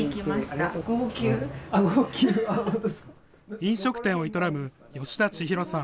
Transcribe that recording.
飲食店を営む吉田千裕さん。